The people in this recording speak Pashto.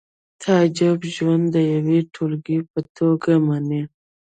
تعجب ژوند د یوې ټولګې په توګه مني